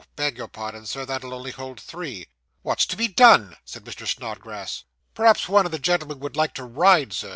beg your pardon, sir that'll only hold three.' 'What's to be done?' said Mr. Snodgrass. 'Perhaps one of the gentlemen would like to ride, sir?